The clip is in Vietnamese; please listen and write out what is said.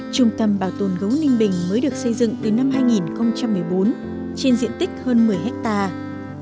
trung tâm bảo tồn gấu ninh bình mới được xây dựng từ năm hai nghìn một mươi bốn trên diện tích hơn một mươi hectare